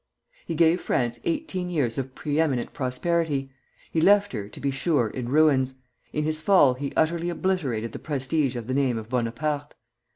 He gave France eighteen years of pre eminent prosperity; he left her, to be sure, in ruins. In his fall he utterly obliterated the prestige of the name of Bonaparte.